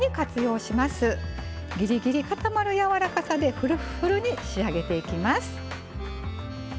ぎりぎり固まるやわらかさでフルッフルに仕上げていきます。